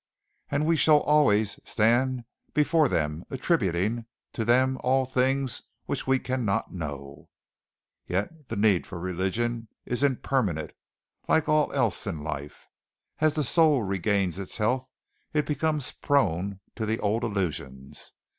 And we shall always stand before them attributing to them all those things which we cannot know. Yet the need for religion is impermanent, like all else in life. As the soul regains its health, it becomes prone to the old illusions.